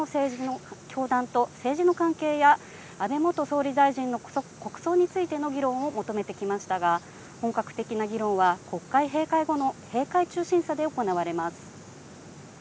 野党側は教団と政治の関係や安倍元総理大臣の国葬についての議論を求めてきましたが、本格的な議論は国会閉会後の閉会中審査で行われます。